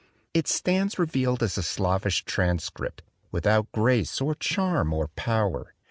It stands revealed as a slavish transcript, without grace or charm or power.